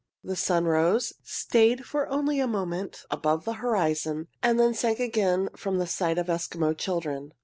The sun rose, stayed for only a moment above the horizon, and then sank again from the sight of Eskimo children.